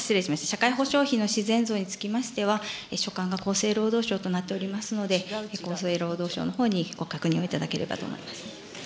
社会保障費の自然増につきましては、所管が厚生労働省となっておりますので、厚生労働省のほうにご確認をいただければと思います。